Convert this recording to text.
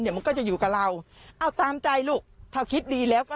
เดี๋ยวมันก็จะอยู่กับเราเอาตามใจลูกถ้าคิดดีแล้วก็